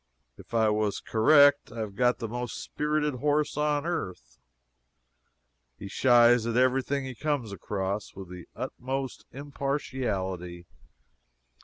If I was correct, I have got the most spirited horse on earth. He shies at every thing he comes across, with the utmost impartiality.